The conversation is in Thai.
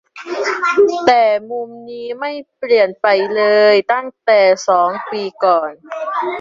แต่มุมนี้ไม่เปลี่ยนไปเลยตั้งแต่สองปีก่อน